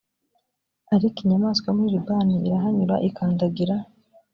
ariko inyamaswah yo muri libani irahanyura ikandagira